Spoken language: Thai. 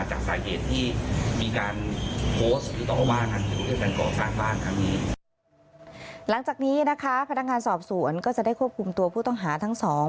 หลังจากนี้นะคะพนักงานสอบสวนก็จะได้ควบคุมตัวผู้ต้องหาทั้งสอง